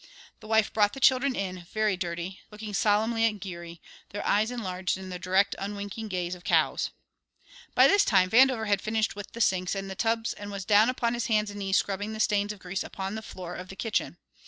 The wife brought the children in, very dirty, looking solemnly at Geary, their eyes enlarged in the direct unwinking gaze of cows. By this time Vandover had finished with the sinks and tubs and was down upon his hands and knees scrubbing the stains of grease upon the floor of the kitchen.